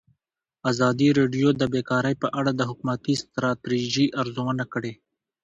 ازادي راډیو د بیکاري په اړه د حکومتي ستراتیژۍ ارزونه کړې.